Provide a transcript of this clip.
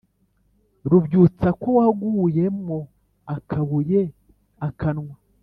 rubyutsa, ko waguye mwo akabuye akanwa